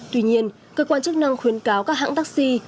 tuy nhiên cơ quan chức năng khuyến cáo các hãng taxi